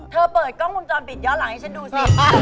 เปิดกล้องวงจรปิดย้อนหลังให้ฉันดูสิ